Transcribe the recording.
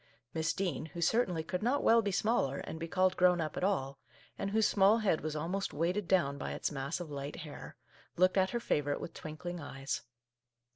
" Miss Dean, who certainly could not well be smaller and be called grown up at all, and whose small head was almost weighted down by its mass of light hair, looked at her favour ite with twinkling eyes.